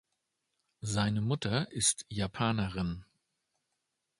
Seine Mutter ist Japanerin.